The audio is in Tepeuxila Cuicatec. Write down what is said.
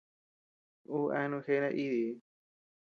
Ú eanu jeʼe naídii.